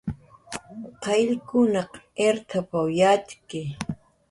"Qayllkunaq irt""ap"" yatxki"